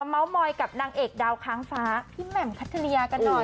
เมาส์มอยกับนางเอกดาวค้างฟ้าพี่แหม่มคัทยากันหน่อย